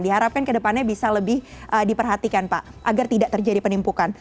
diharapkan ke depannya bisa lebih diperhatikan pak agar tidak terjadi penipukan